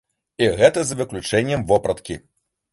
І гэта за выключэннем вопраткі.